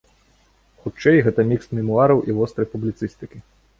Хутчэй, гэта мікст мемуараў і вострай публіцыстыкі.